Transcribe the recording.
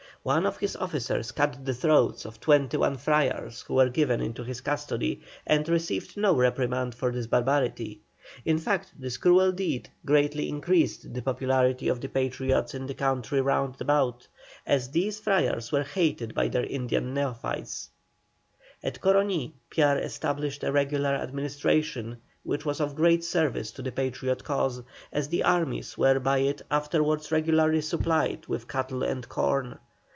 One of his officers cut the throats of twenty two friars who were given into his custody, and received no reprimand for his barbarity. In fact this cruel deed greatly increased the popularity of the Patriots in the country round about, as these friars were hated by their Indian neophytes. At Coroní Piar established a regular administration, which was of great service to the Patriot cause, as the armies were by it afterwards regularly supplied with cattle and corn.